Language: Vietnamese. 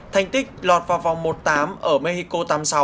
thành tích lọt vào vòng một tám ở mexico tám mươi sáu